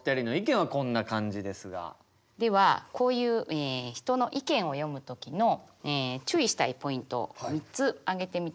ではこういう人の意見を読む時の注意したいポイントを３つ挙げてみたいと思います。